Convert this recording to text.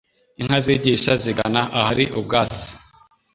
inka zigisha (zigana ahari ubwatsi).